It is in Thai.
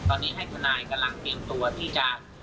ตอนนี้ให้พนัยกำลังเตรียมตัว